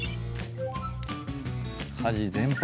家事全般。